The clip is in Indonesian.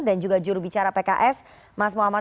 dan juga juru bicara pks mas muhammad khalid